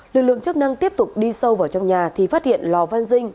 lực lượng chức năng tiếp tục đi sâu vào trong nhà thì phát hiện lò văn dinh